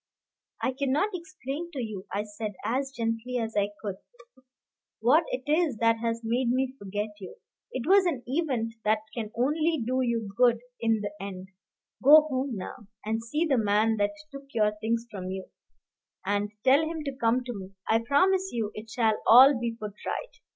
"I cannot explain to you," I said, as gently as I could, "what it is that has made me forget you. It was an event that can only do you good in the end. Go home now, and see the man that took your things from you, and tell him to come to me. I promise you it shall all be put right."